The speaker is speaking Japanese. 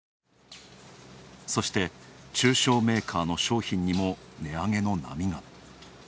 そして、中小メーカーの商品にも値上げの波が。